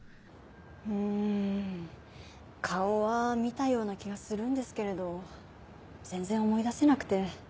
うん顔は見たような気がするんですけれど全然思い出せなくて。